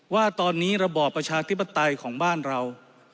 ว่าตอนนี้ระบอบประชาธิปไตยของบ้านเรา